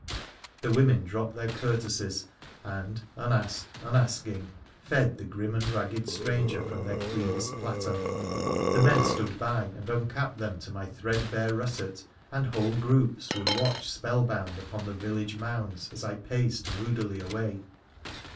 The women dropped their courtesies, and — unasked, unasking — fed the grim and ragged stranger from their cleanest platter, the men stood by and uncapped them to my threadbare russet, and whole groups would watch spell bound upon the village mounds as I paced moodily away.